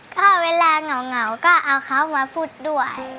ก็เวลาเหงาก็เอาเขามาพูดด้วย